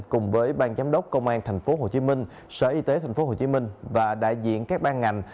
cùng với bang giám đốc công an tp hcm sở y tế tp hcm và đại diện các ban ngành